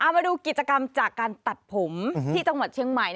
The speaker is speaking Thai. มาดูกิจกรรมจากการตัดผมที่จังหวัดเชียงใหม่